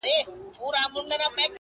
وروسته وار سو د قاضى د وزيرانو !.